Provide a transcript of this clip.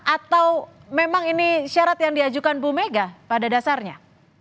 atau memang ini syarat yang diajukan bu mega pada dasarnya